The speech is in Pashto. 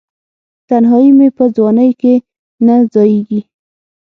تنهایې مې په ځوانۍ کې نه ځائیږې